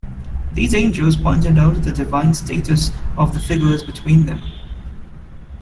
These angels pointed out the divine status of the figures between them.